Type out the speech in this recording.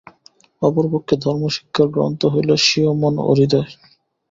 অপরপক্ষে ধর্ম-শিক্ষার গ্রন্থ হইল স্বীয় মন ও হৃদয়।